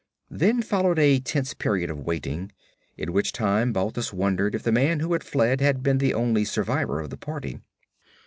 Then followed a tense period of waiting, in which time Balthus wondered if the man who had fled had been the only survivor of the party.